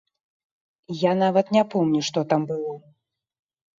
Я нават не помню, што там было.